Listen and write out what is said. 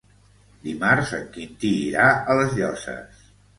Dimarts en Quintí irà a les Llosses.